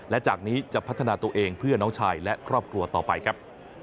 และจากนี้จะพัฒนาตัวเองเพื่อน้องชายและครอบครัวต่อไปครับ